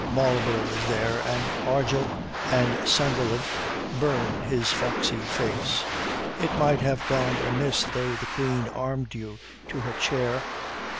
Marlborough is there, and Argyll and Sunderland, burn his foxy face. It might have gone amiss though the Queen armed you to her chair.